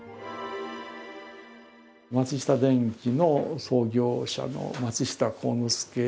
松下電器の創業者の松下幸之助。